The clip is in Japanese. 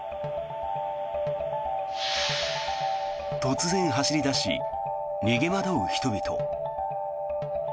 突然走り出し、逃げ惑う人々。